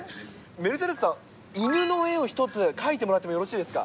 メルセデスさん、犬の絵を一つ描いてもらってもよろしいですか。